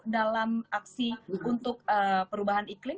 dalam aksi untuk perubahan iklim